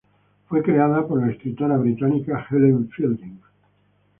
Fue creada por la escritora británica Helen Fielding.